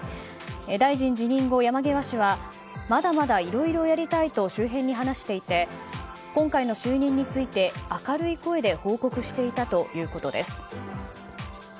大臣辞任後、山際氏はまだまだ、いろいろやりたいと周辺に話していて今回の就任について明るい声で報告していたということです。